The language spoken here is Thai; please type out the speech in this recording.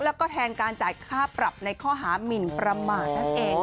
แล้วก็แทนการจ่ายค่าปรับในข้อหามินประมาทนั่นเอง